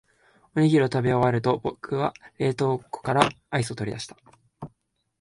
おにぎりを食べ終えると、僕は冷凍庫からアイスを取り出した。